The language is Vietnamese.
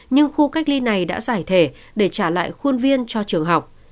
nhưng khu cách ly này đã giải thể để trả lại khuôn viên cho trường học